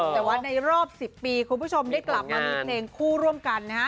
แต่ว่าในรอบ๑๐ปีคุณผู้ชมได้กลับมามีเพลงคู่ร่วมกันนะฮะ